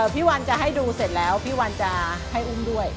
พี่วันจะให้ดูเสร็จแล้วพี่วันจะให้อุ้มด้วย